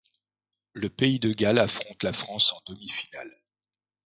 Le pays de Galles affronte la France en demi-finale.